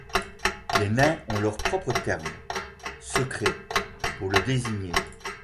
Les Nains ont leur propre terme, secret, pour le désigner.